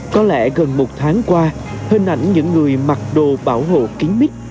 có lẽ gần một tháng qua hình ảnh những người mặc đồ bảo hộ kính mít